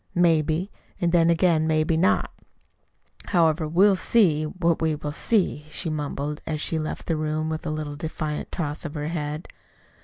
"Maybe an' then again maybe not. However, we'll see what we will see," she mumbled, as she left the room with a little defiant toss of her head.